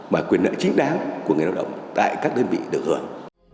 mà quyền nợ chính đáng của người lao động tại các đơn vị được hưởng